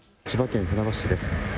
千葉県船橋市です。